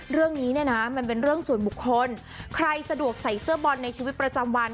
เรื่องนี้เนี่ยนะมันเป็นเรื่องส่วนบุคคลใครสะดวกใส่เสื้อบอลในชีวิตประจำวัน